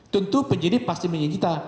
tentu penyidik pasti menyita